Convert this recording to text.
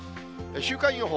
週間予報。